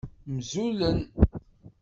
Mzulen.